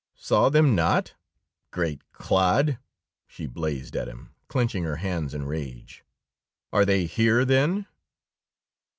"Saw them not, great clod!" she blazed at him, clenching her hands in rage. "Are they here, then?"